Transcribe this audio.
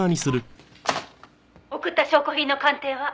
「送った証拠品の鑑定は？」